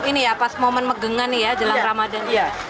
ini ya pas momen megengan jelang ramadan